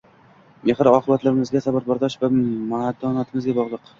Mehr-oqibatimizga, sabr-bardosh va matonatimizga bogʻliq